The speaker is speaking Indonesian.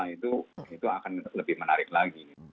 itu akan lebih menarik lagi